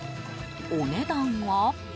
お値段は。